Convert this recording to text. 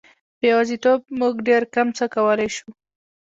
په یوازیتوب موږ ډېر کم څه کولای شو.